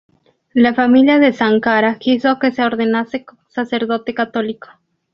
La familia de Sankara quiso que se ordenase sacerdote católico.